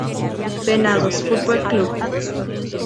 Venados Fútbol Club